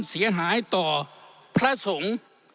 เสียหายต่อพระสงฆ์